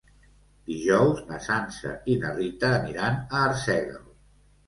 Dijous na Sança i na Rita aniran a Arsèguel.